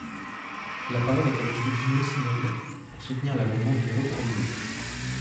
La parole est à Monsieur Dino Cinieri, pour soutenir l’amendement numéro trente-deux.